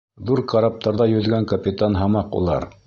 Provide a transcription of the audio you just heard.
Ҙур караптарҙа йөҙгән капитан һымаҡ улар!